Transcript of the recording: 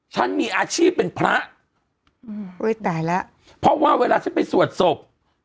ฉันมีอาชีพเป็นพระอืมอุ้ยตายแล้วเพราะว่าเวลาฉันไปสวดศพ